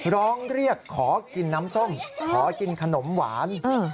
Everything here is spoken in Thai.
ร้องเรียกขอกินน้ำส้มขอกินขนมหวาน